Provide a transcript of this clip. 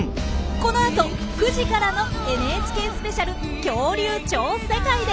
この後９時からの「ＮＨＫスペシャル恐竜超世界」で！